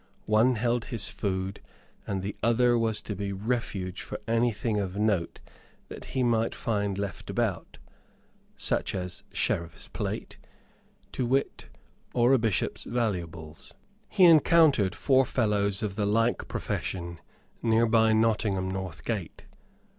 One held his food, and the other was to be refuge for anything of note that he might find left about such as Sheriff's plate, to wit, or a Bishop's valuables. He encountered four fellows of the like profession near by Nottingham north gate.